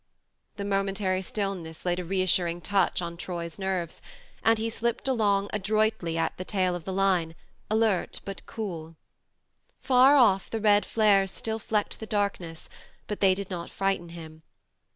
The momentary stillness laid a re assuring touch on Troy's nerves, and he slipped along adroitly at the tail of the line, alert but cool. Far off the red flares still flecked the darkness, but they did not frighten him.